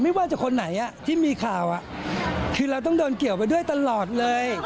ไม่ว่าจะคนไหนที่มีข่าวคือเราต้องโดนเกี่ยวไปด้วยตลอดเลย